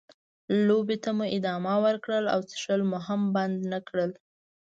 لوبې ته مو ادامه ورکړه او څښل مو هم بند نه کړل.